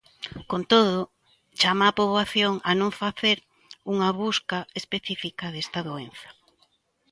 Con todo, chama á poboación "a non facer unha busca específica desta doenza".